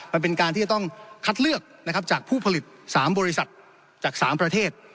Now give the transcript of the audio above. มันเป็นการที่จะต้องคัดเลือกนะครับจากผู้ผลิต๓บริษัทจาก๓ประเทศ